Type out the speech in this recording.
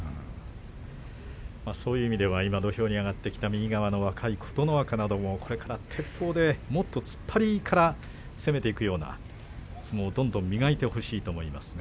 そういう意味では土俵に上がった若い琴ノ若などもこれから、てっぽうでもっと突っ張りから攻めていくような相撲をどんどん磨いてほしいと思います。